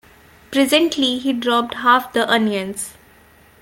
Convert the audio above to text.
Presently he dropped half the onions.